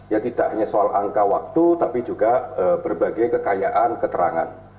ya tidak hanya soal angka waktu tapi juga berbagai kekayaan keterangan